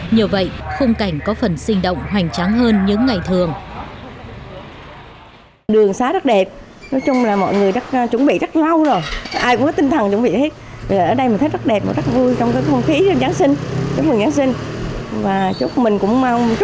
nhờ vậy khung cảnh có phần sinh động hoành tráng hơn những ngày thường